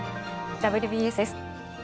「ＷＢＳ」です。